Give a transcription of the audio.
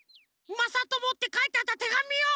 まさとも」ってかいてあったてがみを！